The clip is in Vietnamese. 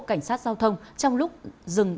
cảnh sát giao thông trong lúc dừng